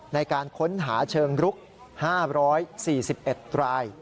ในการค้นหาเชิงรุก๕๔๑ราย